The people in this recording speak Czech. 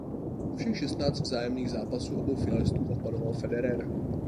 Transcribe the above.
Všech šestnáct vzájemných zápasů obou finalistů opanoval Federer.